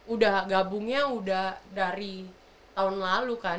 udah gabungnya udah dari tahun lalu kan